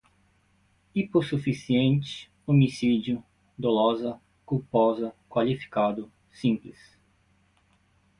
hipossuficiente, homicídio, dolosa, culposa, qualificado, simples